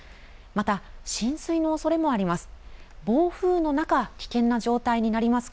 また浸水のおそれもあります。